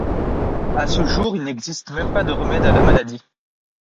À ce jour, il n'existe pas de remède à la maladie.